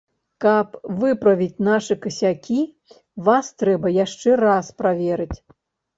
Каб выправіць нашы касякі, вас трэба яшчэ раз праверыць.